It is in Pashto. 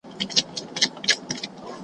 انصاف د قانون روح دی.